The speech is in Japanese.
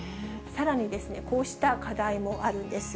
さらに、こうした課題もあるんです。